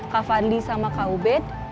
kak fadli sama kak ubed